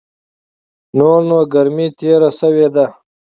نور نو ګرمي تېره سوې ده .